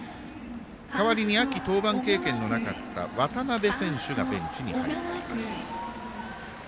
代わりに秋登板経験のなかった渡邊選手がベンチに入っています。